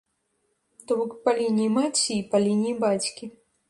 То бок па лініі маці і па лініі бацькі.